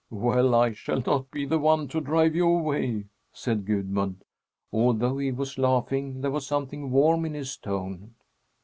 "Well, I shall not be the one to drive you away!" said Gudmund. Although he was laughing, there was something warm in his tone.